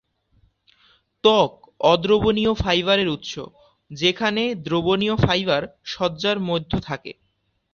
ত্বক অদ্রবণীয় ফাইবারের উৎস, যেখানে দ্রবণীয় ফাইবার সজ্জার মধ্যে থাকে।